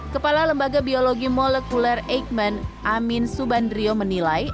kepala lembaga biologi molekuler eijkman amin subandrio menilai